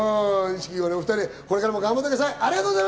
錦鯉のお２人、これかも頑張ってください。